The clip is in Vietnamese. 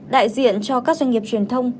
đại diện cho các doanh nghiệp truyền thông